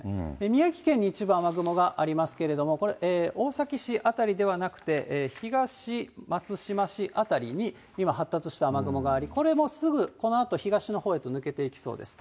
宮城県に一部、雨雲がありますけれども、これ、大崎市辺りではなくて、東松島市辺りに今、発達した雨雲があり、これもすぐこのあと東のほうへと抜けていきそうです。